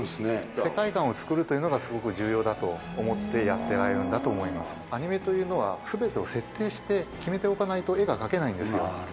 世界観をつくるというのがすごく重要だと思ってやってられるんだと思いますアニメというのは全てを設定して決めておかないと絵が描けないんですよ。